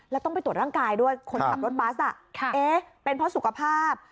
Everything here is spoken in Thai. แล้วต้องไปตรวจร่างกายด้วยคนขับรถบัสเป็นเพราะสุขภาพ